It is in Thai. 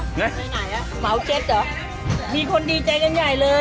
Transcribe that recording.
ไหนอ่ะเหมาเจ็ดเหรอมีคนดีใจกันใหญ่เลย